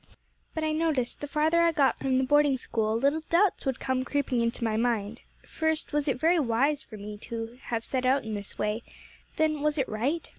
"But I noticed the farther I got from the boarding school, little doubts would come creeping into my mind, first, was it very wise for me to have set out in this way? then, was it right?